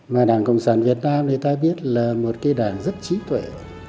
mà đảng cộng sản việt nam người ta biết là một cái đảng rất trí tuệ